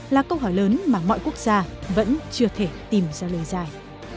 là câu hỏi lớn mà mọi quốc gia vẫn chưa thể tìm ra lời giải